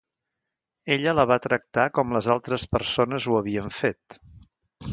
Ella la va tractar com les altres persones ho havien fet.